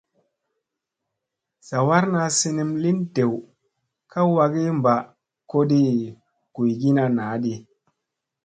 Zawaarna sinim lin dew ka wagii mɓa koɗii guygiina naa di.